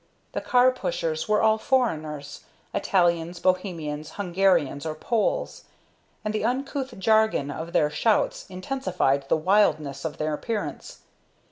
The car pushers were all foreigners Italians, Bohemians, Hungarians, or Poles and the uncouth jargon of their shouts intensified the wildness of their appearance.